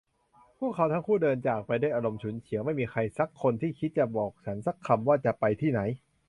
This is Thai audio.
พวกเขาทั้งคู่เดินจากไปด้วยอารมณ์ฉุนเฉียว ไม่มีใครสักคนที่คิดจะบอกฉันสักคำว่าจะไปที่ไหน